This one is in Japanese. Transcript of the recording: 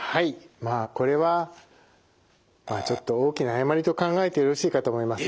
まあこれはちょっと大きな誤りと考えてよろしいかと思います。